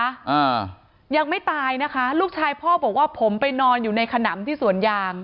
อ่ายังไม่ตายนะคะลูกชายพ่อบอกว่าผมไปนอนอยู่ในขนำที่สวนยาง